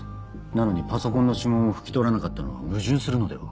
なのにパソコンの指紋を拭き取らなかったのは矛盾するのでは？